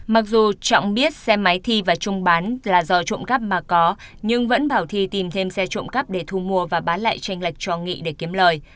mặc dù trọng biết xe máy thi và trung bán là do trộm cắp mà có nhưng vẫn bảo thi tìm thêm xe trộm cắp để thu mua và bán lại tranh lệch cho nghị để kiếm lời